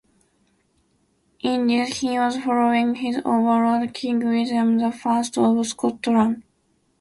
In this, he was following his overlord, King William the First of Scotland.